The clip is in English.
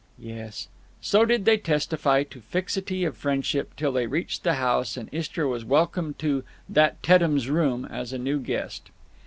"Yes." So did they testify to fixity of friendship till they reached the house and Istra was welcomed to "that Teddem's" room as a new guest.